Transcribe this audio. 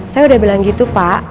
saya udah bilang gitu pak